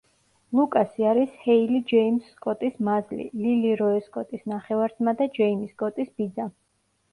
ლუკასი არის ჰეილი ჯეიმზ სკოტის მაზლი, ლილი როე სკოტის ნახევარძმა და ჯეიმი სკოტის ბიძა.